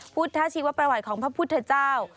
พุทธชีวประวัติของพระพุทธเจ้า